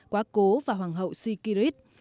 quá cố và hoàng hậu sikirit